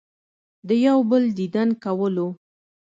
د يو بل ديدن کولو